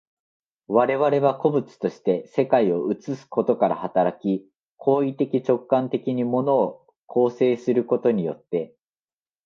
我々は個物として世界を映すことから働き、行為的直観的に物を構成することによって、